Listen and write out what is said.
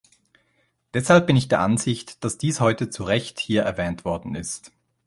Deshalb bin ich der Ansicht, dass dies heute zu Recht hier erwähnt worden ist.